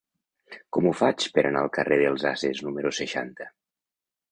Com ho faig per anar al carrer dels Ases número seixanta?